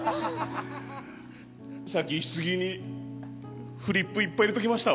さっきひつぎにフリップいっぱい入れときましたわ。